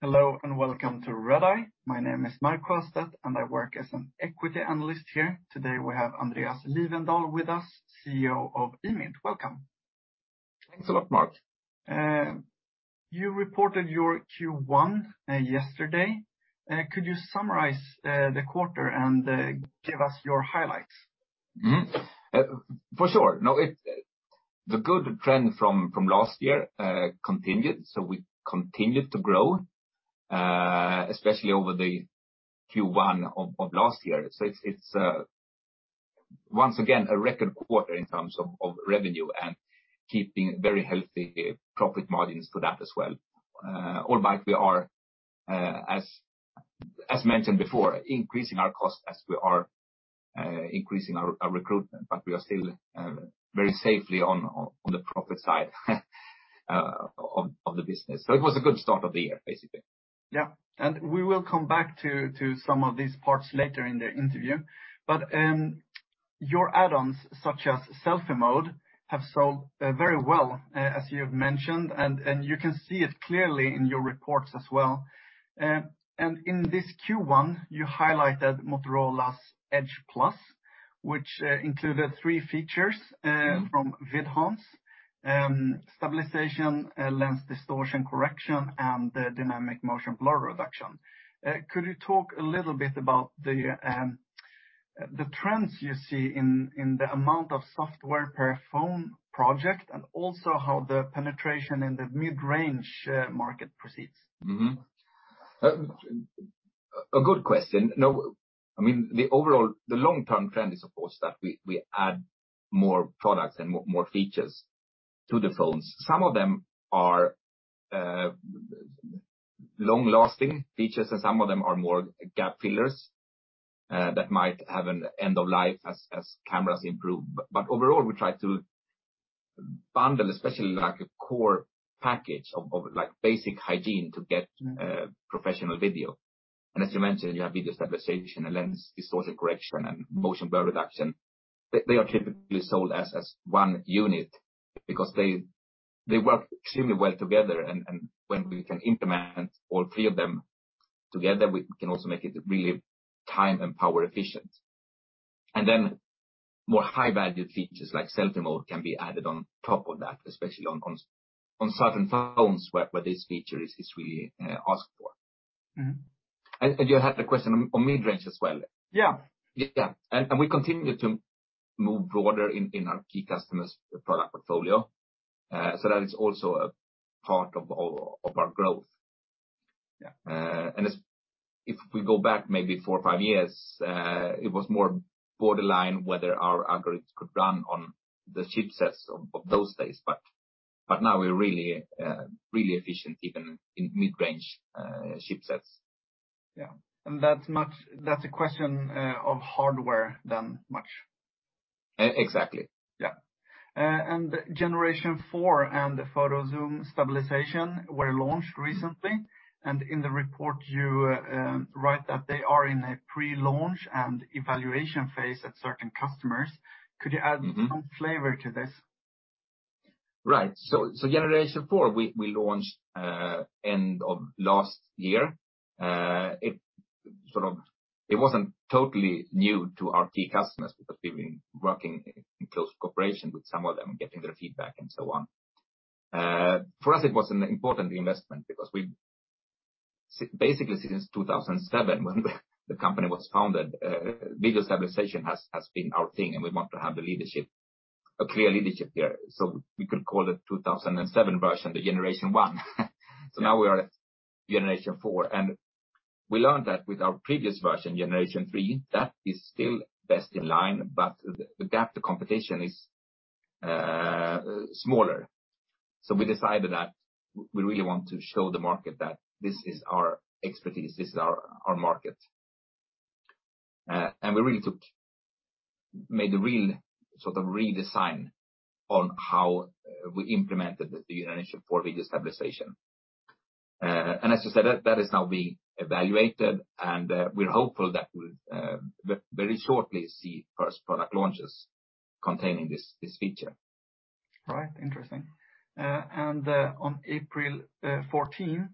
Hello, and welcome to Redeye. My name is Mark Siöstedt, and I work as an equity analyst here. Today, we have Andreas Lifvendahl with us, CEO of IMINT. Welcome. Thanks a lot, Mark. You reported your Q1 yesterday. Could you summarize the quarter and give us your highlights? For sure. No, the good trend from last year continued, so we continued to grow, especially over the Q1 of last year. It's once again a record quarter in terms of revenue and keeping very healthy profit margins for that as well. Albeit we are, as mentioned before, increasing our costs as we are increasing our recruitment, but we are still very safely on the profit side of the business. It was a good start of the year, basically. Yeah. We will come back to some of these parts later in the interview. Your add-ons, such as Selfie mode, have sold very well, as you have mentioned, and you can see it clearly in your reports as well. In this Q1, you highlighted Motorola's Edge+, which included three features. Mm-hmm from Vidhance, Video Stabilization, Lens Distortion Correction, and the Dynamic Motion Blur Reduction. Could you talk a little bit about the trends you see in the amount of software per phone project, and also how the penetration in the mid-range market proceeds? A good question. Now, I mean, the long-term trend is, of course, that we add more products and more features to the phones. Some of them are long-lasting features, and some of them are more gap fillers that might have an end of life as cameras improve. Overall, we try to bundle, especially like a core package of like basic hygiene to get. Mm-hmm Professional video. As you mentioned, you have video stabilization, a lens distortion correction, and motion blur reduction. They are typically sold as one unit because they work extremely well together, and when we can implement all three of them together, we can also make it really time and power efficient. Then more high-value features like Selfie mode can be added on top of that, especially on certain phones where this feature is really asked for. Mm-hmm. You had a question on mid-range as well. Yeah. We continue to move broader in our key customers' product portfolio, so that is also a part of our growth. Yeah. If we go back maybe four or five years, it was more borderline whether our algorithms could run on the chipsets of those days. Now we're really efficient, even in mid-range chipsets. Yeah. That's a question of hardware than much. Exactly. Yeah. Generation 4 and the Photo Zoom Stabilization were launched recently, and in the report, you write that they are in a pre-launch and evaluation phase at certain customers. Could you add? Mm-hmm Some flavor to this? Right. Generation 4, we launched end of last year. It wasn't totally new to our key customers because we've been working in close cooperation with some of them, getting their feedback and so on. For us, it was an important investment because basically, since 2007, when the company was founded, video stabilization has been our thing, and we want to have the leadership, a clear leadership there. We could call it 2007 version, the Generation 1. Now we are at Generation 4. We learned that with our previous version, Generation 3, that is still best-in-class, but the gap to competition is smaller. We decided that we really want to show the market that this is our expertise, this is our market. We really made a real sort of redesign on how we implemented the Generation 4 Video Stabilization. As you said, that is now being evaluated, and we're hopeful that we'll very shortly see first product launches containing this feature. Right. Interesting. On April 14th,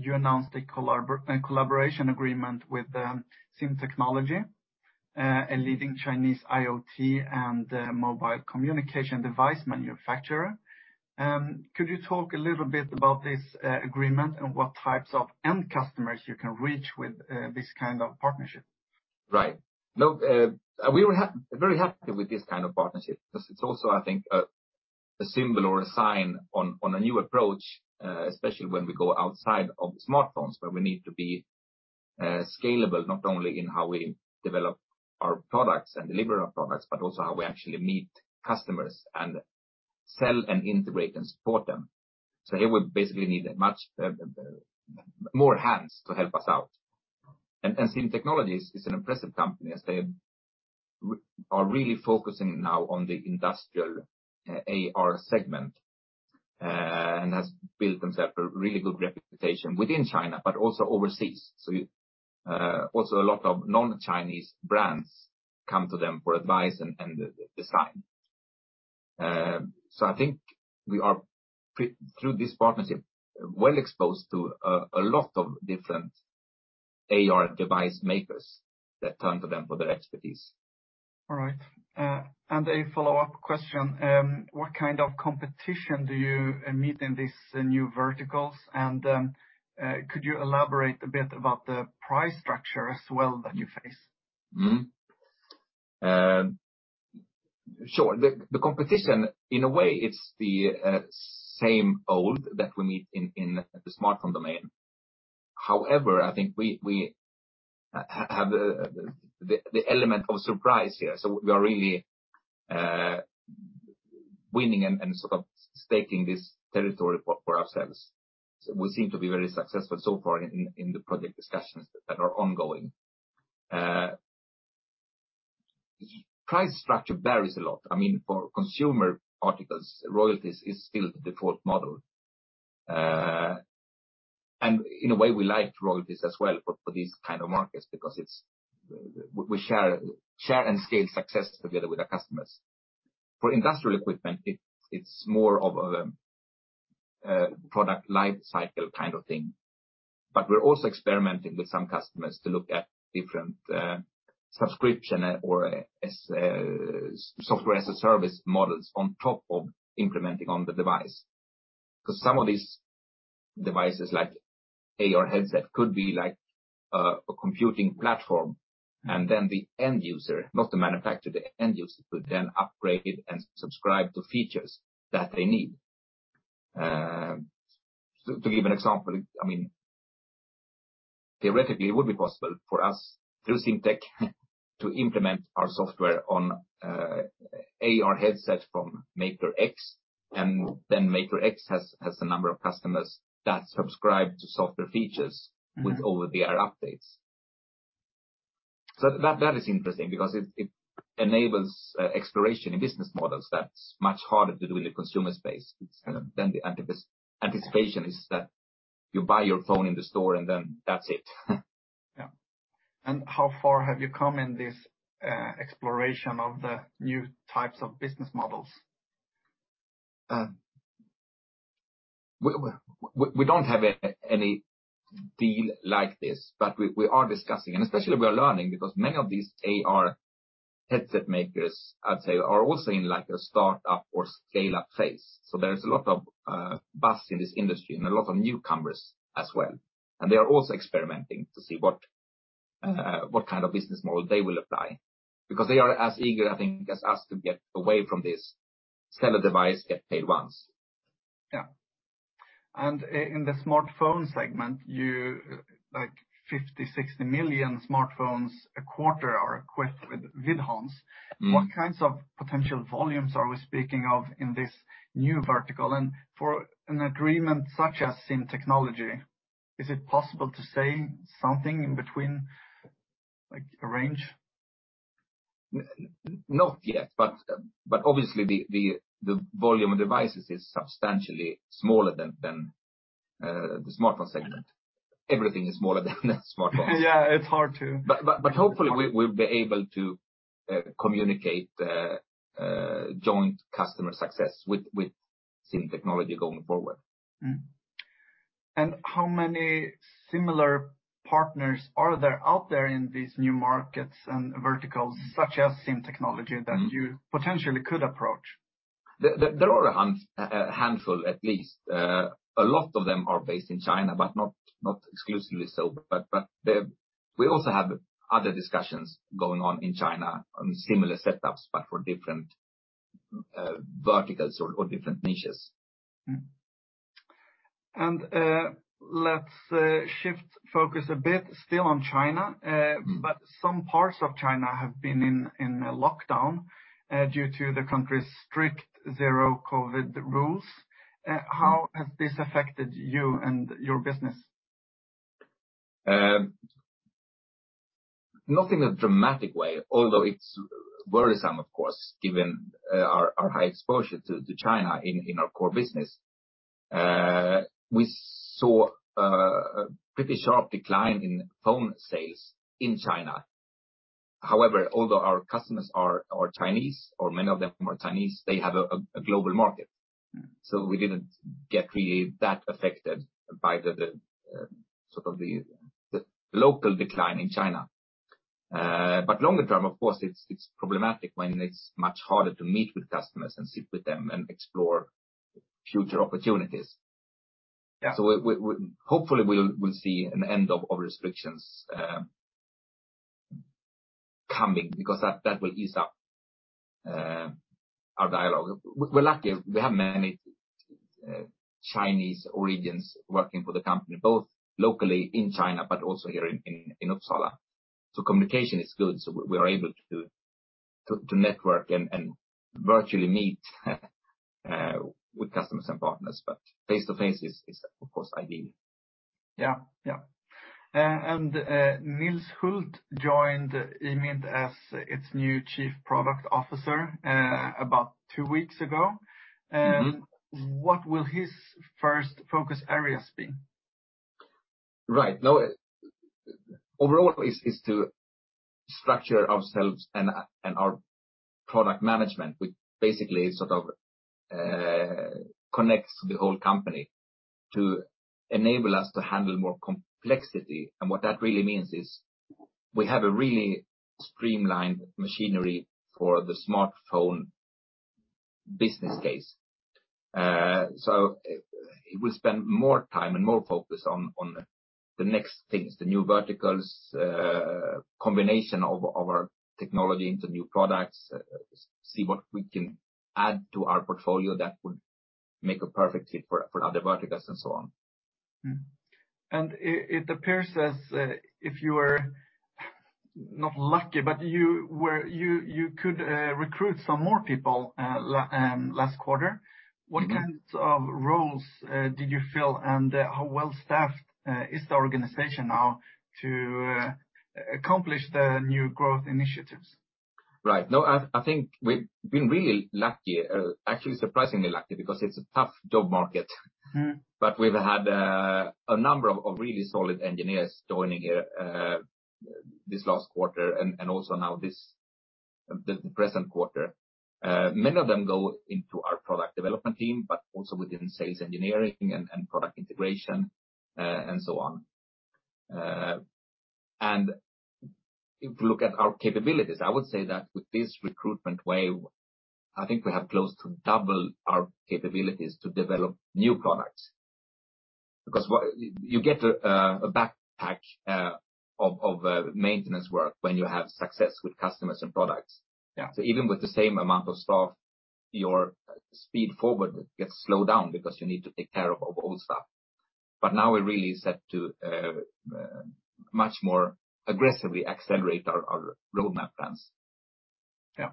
you announced a collaboration agreement with SIMCom Technology, a leading Chinese IoT and mobile communication device manufacturer. Could you talk a little bit about this agreement and what types of end customers you can reach with this kind of partnership? Right. Look, we were very happy with this kind of partnership because it's also, I think, a symbol or a sign on a new approach, especially when we go outside of smartphones, where we need to be scalable, not only in how we develop our products and deliver our products, but also how we actually meet customers and sell and integrate and support them. Here we basically need much more hands to help us out. SIMCom Technology is an impressive company, as they are really focusing now on the industrial AR segment, and has built themselves a really good reputation within China but also overseas. Also a lot of non-Chinese brands come to them for advice and design. I think we are through this partnership, well exposed to a lot of different AR device makers that turn to them for their expertise. All right. A follow-up question. What kind of competition do you meet in these new verticals? Could you elaborate a bit about the price structure as well that you face? Sure. The competition, in a way, it's the same old that we meet in the smartphone domain. However, I think we have the element of surprise here. We are really winning and sort of staking this territory for ourselves. We seem to be very successful so far in the project discussions that are ongoing. Price structure varies a lot. I mean, for consumer articles, royalties is still the default model. And in a way, we like royalties as well for these kind of markets because we share and scale success together with our customers. For industrial equipment, it's more of a product life cycle kind of thing. We're also experimenting with some customers to look at different subscription or software as a service models on top of implementing on the device. 'Cause some of these devices like AR headset could be like a computing platform, and then the end user, not the manufacturer, the end user could then upgrade it and subscribe to features that they need. To give an example, I mean, theoretically, it would be possible for us, through SIMCom Technology, to implement our software on AR headset from Maker X, and then Maker X has a number of customers that subscribe to software features. Mm-hmm. With over-the-air updates. That is interesting because it enables exploration in business models that's much harder to do in the consumer space. It's kind of the anticipation is that you buy your phone in the store, and then that's it. Yeah. How far have you come in this exploration of the new types of business models? We don't have any deal like this, but we are discussing and especially we are learning because many of these AR headset makers, I'd say, are also in like a start-up or scale-up phase. There's a lot of buzz in this industry and a lot of newcomers as well. They are also experimenting to see what kind of business model they will apply because they are as eager, I think, as us to get away from this sell a device, get paid once. In the smartphone segment, like 50, 60 million smartphones a quarter are equipped with Vidhance. Mm-hmm. What kinds of potential volumes are we speaking of in this new vertical? For an agreement such as SIMCom Technology, is it possible to say something in between, like a range? Not yet, but obviously, the volume of devices is substantially smaller than the smartphone segment. Everything is smaller than the smartphones. Yeah, it's hard to. Hopefully we'll be able to communicate the joint customer success with SIMCom Technology going forward. How many similar partners are there out there in these new markets and verticals such as SIMCom Technology that you potentially could approach? There are a handful, at least. A lot of them are based in China, but not exclusively so. We also have other discussions going on in China on similar setups, but for different verticals or different niches. Let's shift focus a bit still on China. Mm-hmm. Some parts of China have been in a lockdown due to the country's strict zero-COVID rules. How has this affected you and your business? Nothing in a dramatic way, although it's worrisome, of course, given our high exposure to China in our core business. We saw a pretty sharp decline in phone sales in China. However, although our customers are Chinese or many of them are Chinese, they have a global market. Mm-hmm. We didn't get really that affected by the sort of local decline in China. Longer term, of course, it's problematic when it's much harder to meet with customers and sit with them and explore future opportunities. Yeah. We hopefully will see an end of restrictions coming because that will ease up our dialogue. We're lucky we have many Chinese origins working for the company, both locally in China but also here in Uppsala. Communication is good, so we are able to network and virtually meet with customers and partners. Face-to-face is, of course, ideal. Nils Hulth joined IMINT as its new Chief Product Officer about two weeks ago. Mm-hmm. What will his first focus areas be? Right. No, overall is to structure ourselves and our product management, which basically sort of connects the whole company to enable us to handle more complexity. What that really means is we have a really streamlined machinery for the smartphone business case. So it will spend more time and more focus on the next things, the new verticals, combination of our technology into new products, see what we can add to our portfolio that would make a perfect fit for other verticals and so on. Mm-hmm. It appears as if you were not lucky, but you could recruit some more people last quarter. Mm-hmm. What kinds of roles did you fill, and how well staffed is the organization now to accomplish the new growth initiatives? Right. No, I think we've been really lucky, actually surprisingly lucky because it's a tough job market. Mm-hmm. We've had a number of really solid engineers joining this last quarter and also now this the present quarter. Many of them go into our product development team, but also within sales engineering and product integration and so on. If you look at our capabilities, I would say that with this recruitment wave, I think we have close to double our capabilities to develop new products. Because you get a backpack of maintenance work when you have success with customers and products. Yeah. Even with the same amount of staff, your speed forward gets slowed down because you need to take care of old stuff. Now we're really set to much more aggressively accelerate our roadmap plans. Yeah.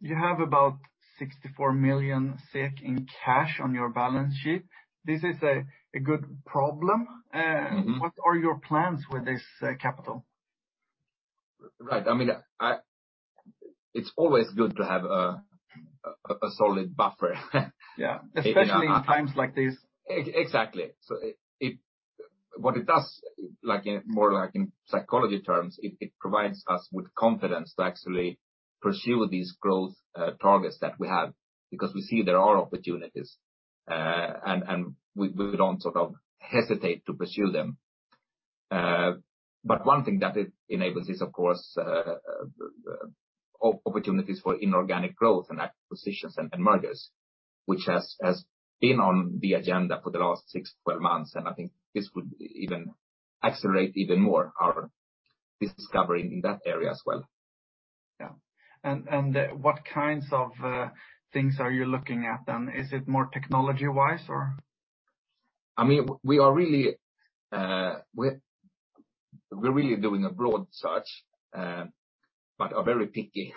You have about 64 million SEK in cash on your balance sheet. This is a good problem. Mm-hmm. What are your plans with this capital? Right. I mean, it's always good to have a solid buffer. Yeah. Especially in times like this. Exactly. What it does, like, more like in psychology terms, it provides us with confidence to actually pursue these growth targets that we have because we see there are opportunities, and we don't sort of hesitate to pursue them. One thing that it enables is, of course, opportunities for inorganic growth and acquisitions and mergers, which has been on the agenda for the last 6-12 months. I think this would even accelerate even more our discovery in that area as well. Yeah. What kinds of things are you looking at then? Is it more technology-wise or? I mean, we're really doing a broad search, but are very picky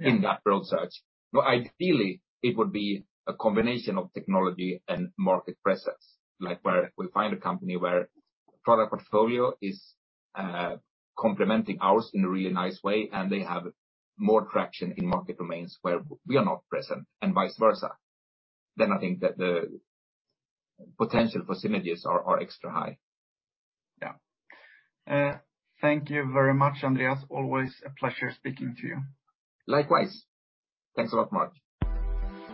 in that broad search. No, ideally, it would be a combination of technology and market presence, like where we find a company where product portfolio is complementing ours in a really nice way, and they have more traction in market domains where we are not present and vice versa. I think that the potential for synergies are extra high. Yeah. Thank you very much, Andreas. Always a pleasure speaking to you. Likewise. Thanks a lot, Mark.